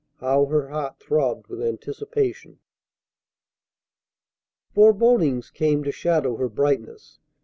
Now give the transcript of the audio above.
How her heart throbbed with anticipation! Forebodings came to shadow her brightness.